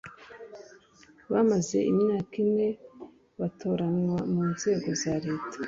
bamaze imyaka ine batoranywa mu nzego za leta